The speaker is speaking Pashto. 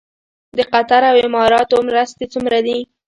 د قطر او اماراتو مرستې څومره دي؟